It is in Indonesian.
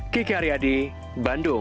kiki aryadi bandung